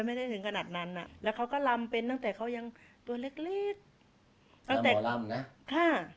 มีครูไม่มั้ยเป็นคนมุก